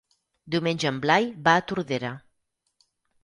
Diumenge en Blai va a Tordera.